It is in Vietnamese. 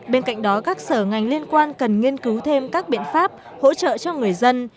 bên cạnh đó các sở ngành liên quan cần nghiên cứu thêm các biện pháp hỗ trợ cho người dân